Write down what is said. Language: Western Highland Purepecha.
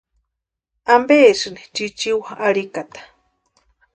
¿Ampesïini chichiwa arhikata?